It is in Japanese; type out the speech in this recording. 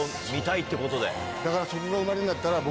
だからそこが埋まるんだったら僕。